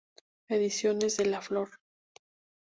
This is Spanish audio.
Ediciones de la Flor.